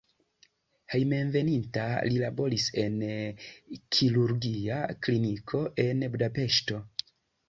Hejmenveninta li laboris en kirurgia kliniko en Budapeŝto.